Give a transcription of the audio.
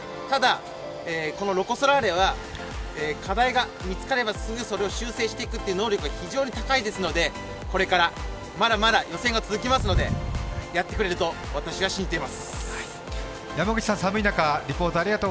ただ、このロコ・ソラーレは課題が見つかればすぐそれを修正していく能力が非常に高いですのでこれからまだまだ予選が続きますので、やってくれると私は信じています。